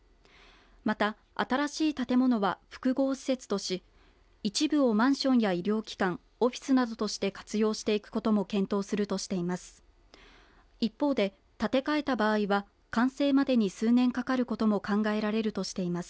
また新しい建物は複合施設とし一部をマンションや医療機関オフィスなどとして活用していくことも検討していくとしています。